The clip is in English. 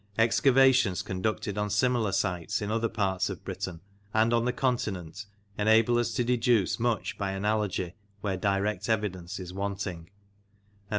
excavations conducted on similar sites in other parts of Britain and on the Continent enable us to deduce much by analogy where direct evidence is wanting; and (iii.)